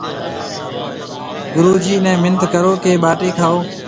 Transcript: گُرو جِي نَي منٿ ڪرو ڪيَ ٻاٽِي کائون۔